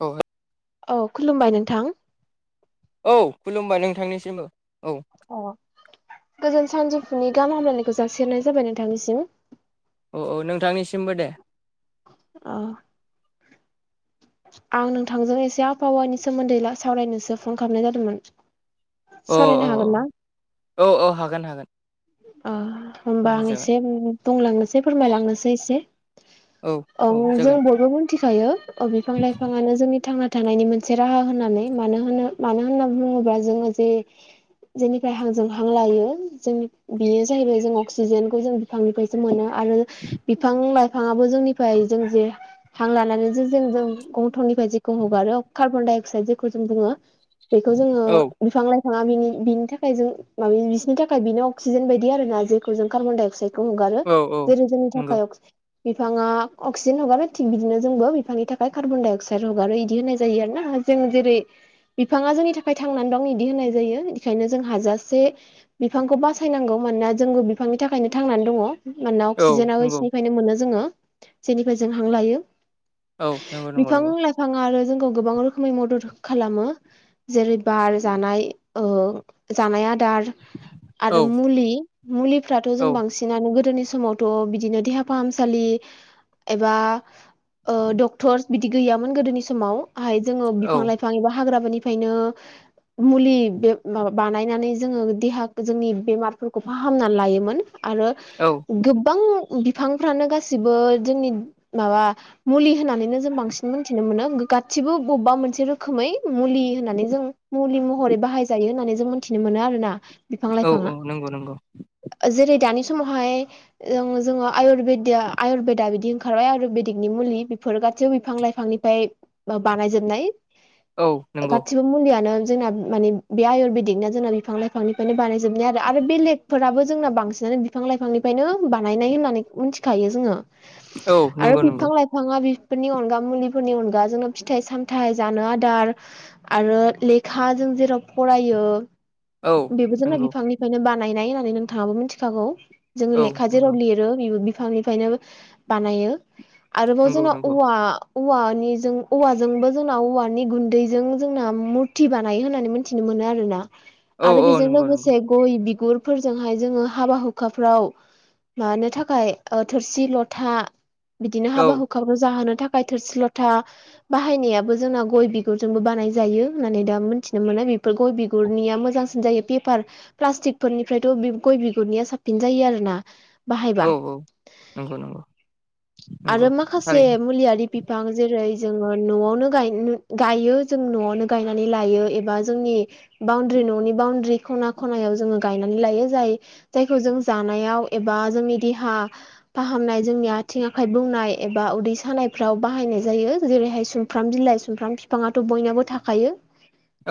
औ औ खुलुमबाय नोंथां औ खुलुमबाय नोंथांनिसिमबो औ अ गोजोन सानजौफुनि गाहाम हामलायनायखौ जासिहरनाय जाबाय नोंथांनिसिम औ औ नोंथांनिसिमबो दे अ आं नोंथांजों एसे आबहावानि सोमोन्दै सावरायनोसो फन खालामनाय जादोंमोन। अ औ सावरायनो हागोन ना औ औ हागोन हागोन। औ होमबा आं सावरायजागोन एसे बुंलांनोसै फोरमायलांनोसै एसे। औ जों बयबो मोनथिखायो बिफां लाइफाङानो जोंनि थांना थानायनि मोनसे राहा होननानै मानो होनो मानो होनना बुङोब्ला जोङो जे जेनिफ्राय हांजों हां लायो जोंनि बेयो जाहैबाय जों अक्सिजेनखौ जों बिफांनिफ्रायसो मोनो आरो बिफां लाइ बिफाङाबो जोंनिफ्राय जों जे हां लानानै जे जों जों गंथंनिफ्राय जेखौ हगारो कार्बन डाइ अक्साइद जेखौ जों बुङो। बेखौ जोङो औ बिफां लाइफाङा बिनि बिनि थाखाय जों माबा बिसिनि थाखाय बिनो अ अक्सिजेन बायदि आरोना जेखौ जों कार्बन डाइ अक्साइडखौ हगारो औ औ जेरै जोंनि नंगौ थाखाय अक बिफाङा अक्सिजेन हगारो थिग बिदिनो जोंबो बिफांनि थाखाय कार्बन डाइ अक्साइड हगारो इदि होनाय जायो आरो ना। जों जेरै बिफाङा जोंनि थाखाय थांनानै दं इदि होननाय जायो बेखायनो जों हाजासे बिफांखौ बासा बासायनांगौ मानोना जोंबो बिफांनि थाखायनो थांनानै दङ मानोना औ अक्सिजेनाब नंगौ इसिनिफ्रायनो मोनो जोङो। जेनिफ्राय जों हां लायो औ नंगौ नंगौ नंगौ बिफां-लाइफां बिफाङा आरो जोंखौ गोबां रोखोमै मदद खालामो जेरै बार जानाय जानाय आदार औ आरो मुलि मुलिफ्राथ' औ जों बांसिन बांसिनानो गोदोनि समावथ' बिदिनो देहा फाहामसालि एबा डक्टरस बिदि गैयामोन गोदोनि समाव आहाय जोङो औ बिफां-लाइफां फां एबा हाग्राफोरनिफ्रायनो मुलि मा बानायनानै जोङो देहा जोंनि बेमारफोरखौ फाहामनानै लायोमोन आरो औ गोबां बिफांफ्रानो गासिबो जोंनि माबा। मुलि होननानै जों बांसिन मोनथिनो मोनो गादसिबो बबेबा मोनसे रोखोम रोखोमै मुलि होननानै जों मुलि महरै बाहायजायो होननानै जों मोन्थिनो मोनो आरोना। बिफां औ लाइफाङा औ नंगौ नंगौ जेरै दानि समावहाय जोङो आयुरेदिया आयुरवेदा बिदि ओंखारबाय आयुरवेदिकनि मुलि बेफोर गायावबो बिफां-लाइफां बिफांनिफ्राय बानायजोबनाय औ नंगौ। बे मुलियानो जोंना माने बे आयुरवेदिकना जोंना बिफां-लाइफांनि बेायनो बानायजोबनाय आरो बेलेगफोराबो जोंना बांसिनानो बिफां लाइफांनिफ्रायनो बानायनाय होननानै मिथि यो जोङो औ आरो नंगौ नंगौ बिफां लाइ बिफाङा बिफोरनि अनगा मुलिफोरनि अनगा जोंनो फिथाइ सामथाइ जानो आदार आरो लेखाजों जेराव फरायो। औ बेबो जोंना नंगौ बिफांनिफ्रायनो बानायनाय होननानै नोंथाङाबो मिथिखागौ। जोङो औ लेखा नंगौ जेराव लिरो बि बिफांनिफ्रायनो बानायो आरोबाव नंगौ जोंना नंगौ औवा औवानिों औवाजोंबो जोंना औवानि गुन्दैजों जोंना मुरथि बानायो होननानै। मिथिनो मोनो आरोोना औ आरो औ बेजों नंगौ नंगौ लोगोसे गय बिगुरफोरजोंहाय जोङो हाबा हुखाफ्राव मानो थाखाय थोरसि लथा बिदिनो औ हाबा हु हखाब रुजाहोनो थाखाय थोरसि-लथा बाहायनायाबो जोंना गय बिगुरजोंबो बानाय जायो होननानै दा मिथिनो मोनो बेफोर गय बिगुरनिया मोजां। साबसिन जायो पेपार प्लास्टिकफोरनिफ्रायथ' गय बिगुरनिया साबसिन जायो आरो ना बाहायबा औ औ नंगौ नंगौ नंगौ आरो माखासे थारैनो मुलियारि बिफां जेरै जोङो न'आवनो गायो जों न'आवनो गायनानै लायो एबा जोंनि बाउण्ड्रि न'नि बाउणड्रि खना खनायाव जोङो गायनानै लायो जाय जायखौ जों जानायाव एबा जोंनि देहा फाहामनाय जोंनि आथिं आखाइ बौनाय एबा उदै सानायफ्राव बाहायनाय जायो जेरैहाय स सुमफ्राम बिलाइ सुमफ्राम बिफाङाथ बयनावबो थाखायो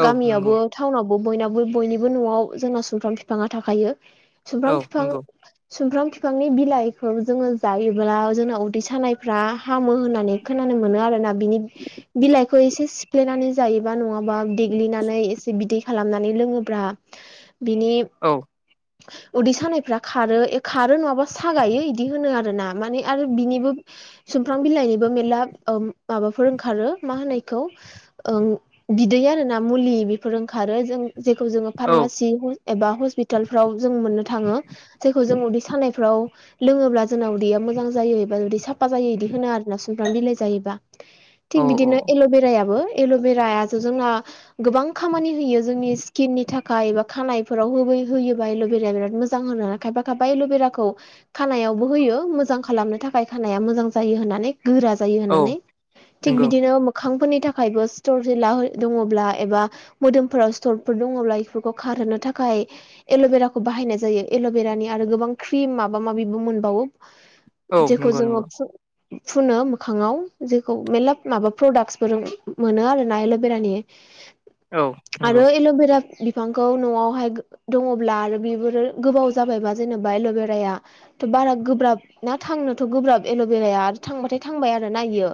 औ नंगौ गामियावबो टाउनावबो बयनाबो बयनिबो न'आव जोंना सुमफ्राम फाफाङा थाखायो औ सुमफ्राम फिफां नंगौ सुमफ्राम फिफांनि बिलाइखौ जोङो जायोब्ला जोंना उदै सानायफ्रा हामो होननानै खोनानो मोनो आरोना बिनि बिलाइखौ एसे सिफ्लेनानै जायोबा नङाबा देग्लिनानै एसे बिदै खालामनानै लोङोब्रा बिनि औ [inaudible] उदै सानायफ्रा खारो ए खारो नङाबा सागायो बिदि होनो आरोना माने आरो बिनिबो सुमफ्रां बिलाइनिबो मेरला माबाफोर ओंखारो मा होनो इखौ ओं बिदै आरोना मुलि बेफोर ओंखारो जों जेखौ जोङो औ फार्मासि एबा हस्पितालफ्राव जों मोननो थाङो जायखौ जों उदै सानायफ्राव लोङोब्ला जोंनाव उदैया मोजां जायो एबा जुदि साफा जायो बिदि होनो आरोना सुमफ्राम बिलाइ जायोबा [inaudible] औ थिग बिदिनो औ एलबेरायाबो एलबेरायाथ जोंना गोबां खामानि होयो जोंनि स्किननि थाखाय एबा खानायफोराव होबै होयोबा एलभेराया बिराद मोजां होनानै खायफा खायफा एलभेराखौ खानायावबो होयो मोजां खालामनो थाखाय खानाया मोजां जायो होननानै गोरा जायो औ होननानै थिग नंगौ बिदिनो मोखांफोरनि थाखायबो सिथर जेला दङब्ला एबा मोदोमफोराव सिथर फोर दङब्ला इफोरखौ खारहोनो थाखाय एलबेराखौ बाहायनाय जायो एलबेरानि आरो गोबां क्रिम माबा माबिबो मोनबावो औ जेखौ नंगौ जोङो नंगौ फु फुनो मोखाङाव जेखौ मेल्ला माबा प्रडाक्सफोर मोनो आरोना एलबेरानि औ नंगौ आरो एलबेरा बिफांखौ न'आवहाय दङब्ला आरो बेफोर गोबाव जाबायबा जेनेबा एलभेराया थ बारा गोब्राब ना थांनोथ गोब्राब एलभेराया थांबाथाय थांबाय आरो ना इयो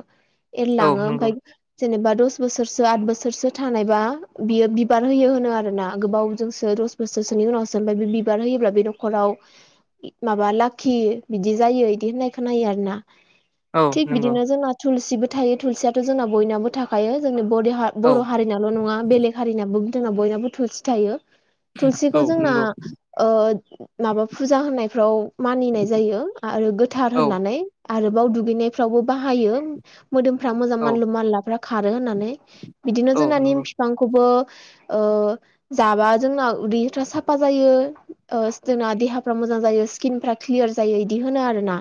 औ एरलाङो नंगौ ओमफ्राय जेनेबा दस बोसोरसो आद बोसोरसो थानायबा बियो बिबार बिबार होयो होनो आरोना गोबाव जोंसो दस बोसोरसोनि उनावसो ओफ्राय बे बिबार होयोब्ला बे न'खराव माबा लाखि बिदि जायो बिदि होननाय खोनायो आरोना औ थिग नंगौ बिदिनो जोंना थुलसिबो थायो थुलसियाथ जोंना बयनाबो थाखायो जोंनि बदि हा औ बर' हारिनावल नङा बेलेग हारिनाबो जोंना बयनाबो थुलसि थायो औ थुलसिखौ जोंना नंगौ ओ माबा फुजा होननायफ्राव मानिनाय जायो आरो गोथार औ होननानै आरोबाव दुगैनायफ्रावबो बाहायो मोदोमफ्रा मोजां औ मानलु मानलाफ्रा खारो होननानै बिदिनो औ जोंना निम नंगौ फिफांखौबो ओ जाबा जोंना उदैफ्रा साफा जायो ओ जोंना देहाफ्रा मोजां जायो स्किनफ्रा क्लियार जायो बिदि होनो आरोना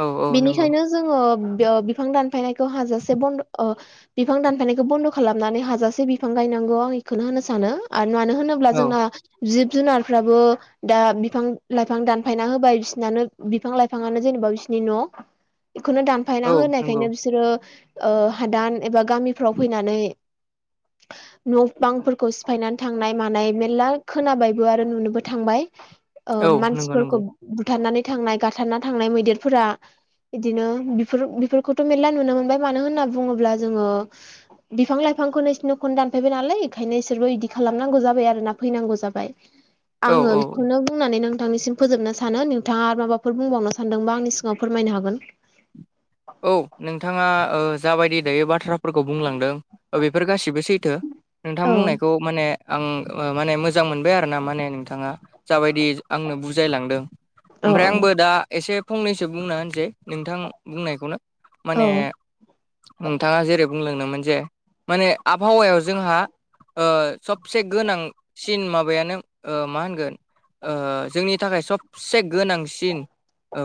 औ औ नंगौ बेनिखायनो जोङो बिफां दानफायनायखौ हाजासे बन्द अ बिफां दानफायनायखौ बन्द खालामनानै हाजासे बिफां गायनौ आं इखौनो होननो सानो आरो मानो होनोब्ला औ जोंना जिब जुनारफ्राबो दा बिफां लाइफां दानफायना होबाय बिसिनानो बिफां लाइफाङानो जेनेबा बिसिनि न' इखौनो दानफायना औ नंगौ होनायखायनो बिसोरो ओ हादान एबा गामिफ्राव फैनानै न' बांफोरखौ सिफायनानै थांनाय मानाय मेरला खोनाबायबो आरो नुनोबो थांबाय ओ औ नंगौ मानसिफोरखौ नंगौ बुथारनानै थांनाय गाथारना थांनाय मैदेरफोरा बिदिनो बिफोर बिफोरखौथ‌ मेरला नुनो मोनबाय मानो होनना बुङोब्ला जोङो बिफां लाइफांखौ इसोरनि न'खौनो दानफायबाय नालाय ओंखायनो इसोरबो बिदि खालामनांगौ जाबाय आरोना फैनांगौ जाबाय औ आङो औ इखौनो बुंनानै नोंथांनिसिम फोजोबनो सानो नोंथाङा आरो माबाफोर बुंबावनो सानदोंबा आंनि सिगाङाव फोरमायनो हागोन औ नोंथाङा ओ जाबायदि दायो बाथ्राफोरखौ बुंलांदों बेफोर गासिबो सैथो। नोंथां औ बुंनायखौ माने आं माने मोजां मोनबाय आरो ना माने नोंथाङा जाबायदि आंनो बुजायलांदों औ ओमफ्राय आंबो दा एसे फंनैसो बुंना होनसै नोंथां बुंनायखौनो औ माने नोंथाङा जेरै बुंलोंदोंमोन जे माने आबहावायाव जोंहा ओ सबसे गोनांसिन माबायानो ओ मा होनगोन ओ जोंनि थाखाय सबसे गोनांसिन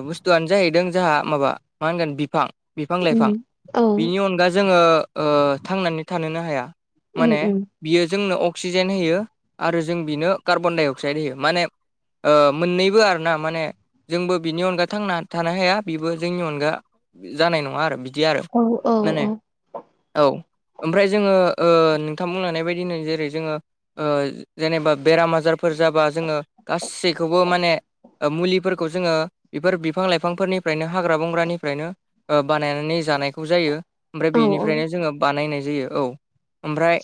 बुस्थुआनो जाहैदों जोंहा माबा मा होनगोन फां बिफां लाइफां उम औ बिनि अनगा जोङो ओ थांनानै थानोनो हाया। उम माने उम बियो जोंनो अक्सिजेन होयो आरो जों बिनो कार्बनडाइ अक्साइद होयो माने ओ मोननैबो आर ना माने जोंबो बिनि अनगा थांना थानो हाया बिबो जोंनि अनगा जानाय नङा आरो बिदि आरो औ औ माने औ औ ओमफ्राय जोङो ओ नोंथां बुंलांनाय बायदिनो जेरै जोङो ओ जेनेबा बेराम आजारफोर जाबा जोङो गासैखौबो माने मुलिफोरखौ जोङो बेफोर बिफां लाइफांफोरनिफ्रायनो हाग्रा बंग्रानिफ्रायनो बानायनानै जानायखौ जायो ओमफ्राय औ बेनिफ्रायनो जोङो बानायनाय जायो औ ओमफ्राय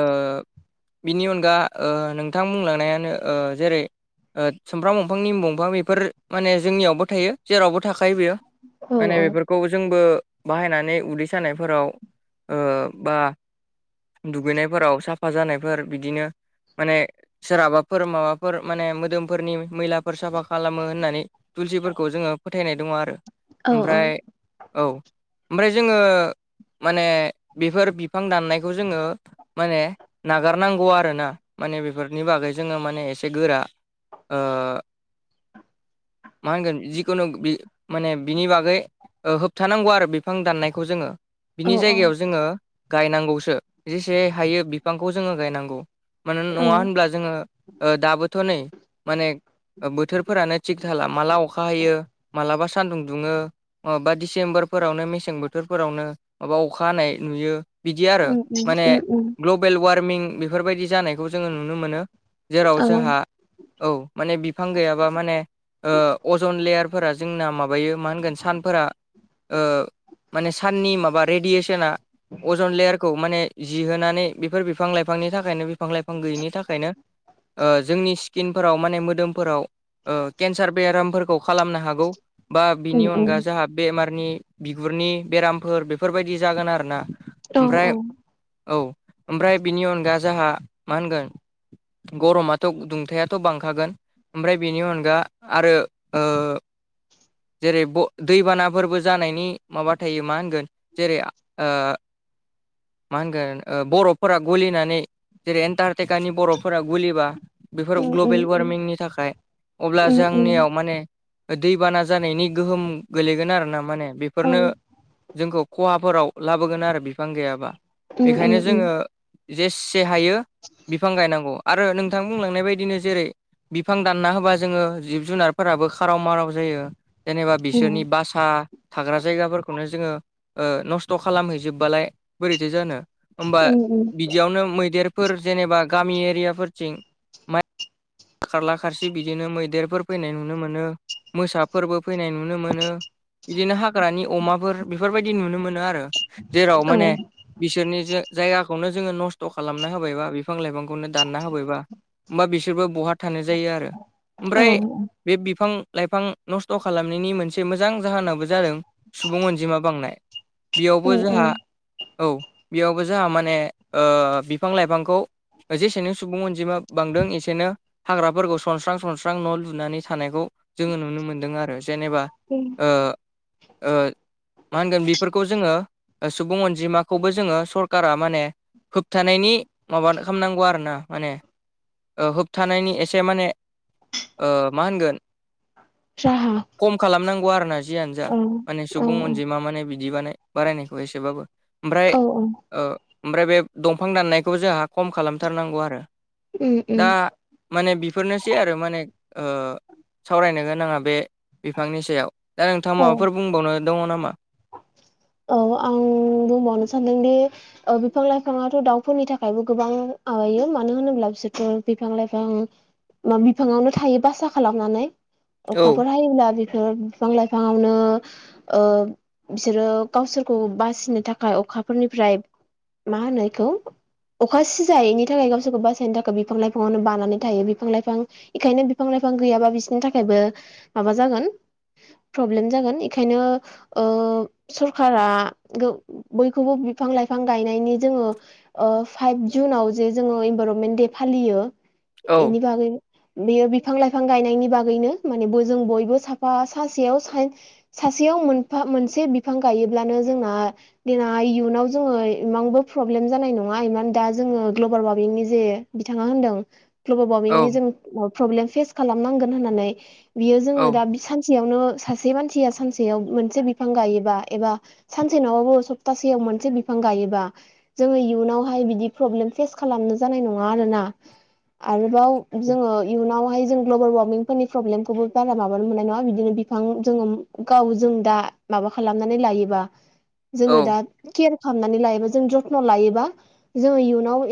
ओ बिनि अनगा ओ नोंथां बुंलांनायानो ओ जेरै ओ सुमफ्राम दंफां निमु दंफां बेफोर माने जोंनियावबो थायो जेरावबो थाखायो बेयो औ माने औ बेफोर खौ जोंबो बाहायनानै उदै सानायफोराव ओ बा दुगैनायफोराव साफा जानायफोर बिदिनो माने सोरहाबाफोर माबाफोर माने मोदोम फोरनि मैलाफोर साफा खालामो होननानै थुलसिफोरखौ जोङो फोथायनाय दङ आरो औ ओमफ्राय। औ ओमफ्राय जोङो माने बेफोर बिफां दाननायखौ जोङो। माने नागारनांगौ आरोना माने बेफोरनि बागै जोङो माने एसे गोरा ओ मा होनगोन जिखुनु बि माने बिनि बागै ओ होबथानांगौ आरो बिफां दाननायखौ जोङो औ बिनि जायगायाव जोङो गायनांगौसो जेसे हायो बिफांखौ जोङो गायनांगौ मानो औ नङा होनब्ला जोङो दाबोथ' नै माने बोथोरफोरानो थिग थाला माला अखा हायो मालाबा सानदुं दुङो माबा डिसेम्बरफोरावनो मेसें बोथोरफोरावनो माबा अखा हानाय नुयो बिदि आरो उम उम माने उम उम ग्ल गबेल वार्मिं बेफोरबायदि जानायखौ जोङो नुनो मोनो जेराव औ जोंहा औ माने बिफां गैयाब्ला माने ओ अजन लेयारफोरा जोंना माबायो मा होनोन सान फोरा ओ माने साननि माबा रेडियेसना अजन लेयारखौ माने जि होनोनानै बेफोर बिफां लाइफांनि थाखायनो बिफां लाइफां गैयिनि थाखायनो ओ जोंनि स्किनफोराव माने मोदोमफोराव ओ केन्सार बेरामफोरखौ खालामनो हागौ बा बिनि उम अनगा उम बेमारनि बिगुरनि बेरामफोर बेफोरबायदि जागोन आरोना औ ओमफ्राय औ ओमफ्राय बिनि अनगा जोंहा मा होनगोन गरमाथ' दुंथायाथ' बांखागोन ओमफ्राय बेनि अनगा आरो ओ जेरै ब दैबानाफोरबो जानायनि माबा थायो मा होनगोन जेरै ओ मा होनगोन बर'फोरा गलिनानै जेरै एन्टार टेकानि बर'फोरा गुलिबा बेफोर उम उम ग्लबेल उम वार्मिंनि थाखाय अब्ला उम उम जोंनियाव माने दैबाना जानायनि गोहोम गोलैगोन आरो ना माने औ बेफोरनो उम जोंखौ खहाफोराव लाबोगोन आरो बिफां गैयाबा उम बेखायनो उम जोङो जेसे हायो बिफां गायनांगौ आरो नोंथां बुंलांनाय बायदिनो जेरै बिफां दानना होबा जोङो जिब जुनारफोराबो खाराव माराव जायो जेनेबा जोंनि बासा थाग्रा जायगाफोरखौनो जोङो नस्थ' खालामहैजोबबालाय बोरैथो जानो। होमबा राहा बिदियावनो मैदेरफोर जेनेबा गामि एरियाफोरथिं खारला खारसि बिदिनो मैदेरफोर फैनाय नुनो मोनो मोसाफोरबो फैनाय नुनो मोनो। बिदिनो हाग्रानि अमाफोर बेफोरबायदि नुनो मोनो आरो जेराव औ माने बिसोरनि ज जायगाखौनो जोङो नस्थ' खालामना होबायबा बिफां लाइफांखौनो दानना होबायबा होमबा बिसोरबो बहा थानाय जायो आरो औ ओमफ्राय बे बिफां लाइफां नस्थ' खालामनायनि मोनसे मोजां जाहोनाबो जादों। सुबुं अनजिमा बांनाय बेयावबो जोंहा औ बेयावबो जोंहा माने बिफां लाइफांखौ जेसेनि सुबुं अनजिमा बांदों एसेनो हाग्राफोरखौ सनस्रां सनस्रां न' लुनानै थानायखौ जोङो नुनो मोन्दों आरो जेनेबा द [inaudible] मा होनगोन बेफोरखौ जोङो सुबुं अन जिमाखौबो जोङो सरकारा माने होबथानायनि माबा खालामनांगौ आर ना माने थानायनि एसे माने मा होनगोन। जाहा खम खालामनांगौ आरोना। जियानो जा माने सुबुं अनजि मा मे बिदि बानाय बारायनायखौ एसेबाबो ओमफ्राय औ ओमफ्राय बे दंफां दाननायखौ जोंहा खम खालामथारनांगौ आरो दा माने बिफोरनोसै आरो माने सावरायनो गोनाङा बे बिफांनि सायाव दा नोंथांङा औ माबाफोर बुंबावनो दङ नामा? औ आं बुंबावनो सानदोंदि बिफां लाइफाङाथ' दाउफोरनि थाखायबो गोबां माबायो मानो होनोब्ला बिसोरथ' बिफां लाइफां मा बिफाङावनो थायो बासा खालामनानै। औ अखाफोर हायोब्ला बिफोर बिफां लाइफाङावनो बिसोरो गावसोरखौ बासिनो थाखाय अखाफोरनिफ्राय मा होनोखौ अखा सिजायैनि थाखाय गावसोरखौ बासायनो थाखाय बिफां लाइफाङावनो बानानै थायो बिफां लाइफां बेखायनो बिफां लाइफां गैयाबा बिसोरनि थाखायबो माबा जागोन। प्रब्लेम जागोन एखायनो ओ सरखारा बयखौबो बिफां लाइफां गायनायनि जोङो फाइभ जुनाव जे जोङो इनभरनमेन्ट दे फालियो औ बेनि बागै बेयो बिफां लाइफां गायनायनि बागैनो माने ब जों बयबो साफा सासेयाव साय सासेयाव मोनफा मोनसे बिफां गायोब्लानो जोंना देनां इयुनाव जोङो इमांबो प्रब्लेम जानाय नङा इमान दा जोङो ग्लबेल वार्मिंनि जे बिथाङा होनदों। ग्लबेल औ वार्मिंनि जों प्रब्लेम फेस खालामनांगोन होननानै बियो जोङो औ दा सेयावनो सासे मानसिया सानसेयाव मोनसे बिफां गायोबा एबा सानसे न'ङाबो सप्तासेयाव मोनसे बिफां गायोबा जोङो इयुनावहाय बिदि प्रब्लेम फेस खालामनो जानाय नङा आरोना। आरोबाव जोङो इयुनावहाय जों ग्लबेल वार्मिंफोरनि प्रब्लेमखौबो बारा माबानो मोननाय नङा बिदिनो बिफां जोङो गाव जों दा माबा खालामनानै लायोबा जोंनो औ दा के खालामनानै लायोबा जों जथ्न' लायोबा जो इयुनाव